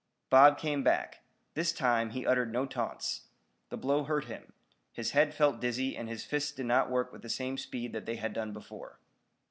Bob came back. This time he uttered no taunts. The blow hurt him. His head felt dizzy and his fists did not work with the same speed that they had done before.